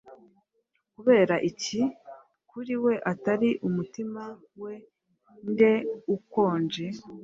kubera iki kuri we atari Umutima wa nde ukonje?